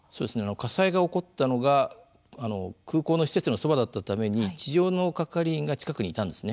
火災が起こったのが空港の施設のそばだったために地上の係員が近くにいたんですね。